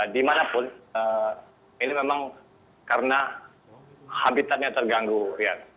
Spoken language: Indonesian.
dimanapun ini memang karena habitatnya terganggu rian